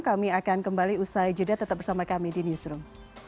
kami akan kembali usai jeda tetap bersama kami di newsroom